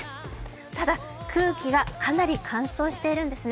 ただ空気はかなり乾燥しているんですね。